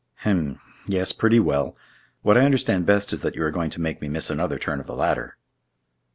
"Hem!—yes—pretty well. What I understand best is that you are going to make me miss another turn of the ladder."